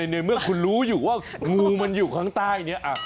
ในเมื่อคุณรู้อยู่ว่างูมันอยู่ข้างใต้เนี่ย